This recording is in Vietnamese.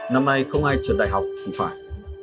năm nay không ai chuẩn đại học thì phải